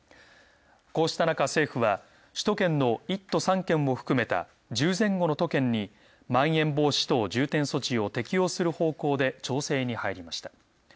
こうした中、政府は首都圏の１都３県を含めた１０前後の都県に「まん延防止等重点措置」を適用する方向で調整に入りました。